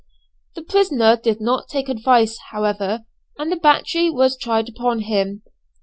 The prisoner did not take advice, however, and the battery was tried upon him.